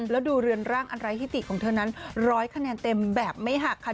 แล้วดูเรือนร่างอันไรฮิติของเธอนั้นร้อยคะแนนเต็มแบบไม่หักค่ะ